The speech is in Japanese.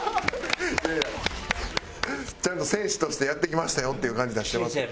いやいやちゃんと戦士としてやってきましたよっていう感じ出してますけど。